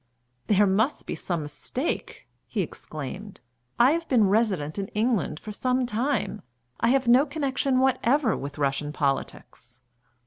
"There must be some mistake," he exclaimed, "I have been resident in England for some time. I have no connection whatever with Russian politics."